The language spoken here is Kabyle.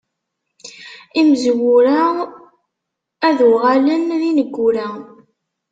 Imezwura ad uɣalen d ineggura.